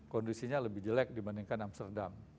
kondisinya lebih jelek dibandingkan amsterdam